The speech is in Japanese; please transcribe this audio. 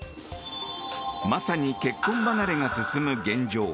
まさに結婚離れが進む現状。